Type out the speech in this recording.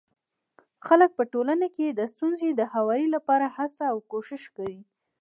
خلک په ټولنه کي د ستونزو د هواري لپاره هڅه او کوښښ کوي.